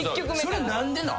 それ何でなん？